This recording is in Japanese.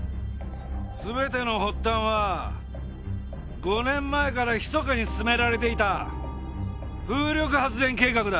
全ての発端は５年前からひそかに進められていた風力発電計画だ。